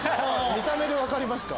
見た目で分かりますか？